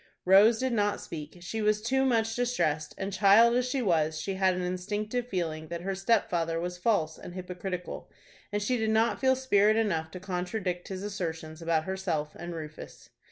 Rose did not speak. She was too much distressed, and, child as she was, she had an instinctive feeling that her stepfather was false and hypocritical, and she did not feel spirit enough to contradict his assertions about herself and Rufus.